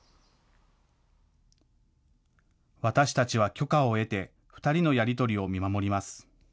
私たちは許可を得て２人のやり取りを見守ります。